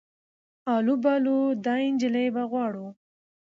آلو بالو دا انجلۍ به غواړو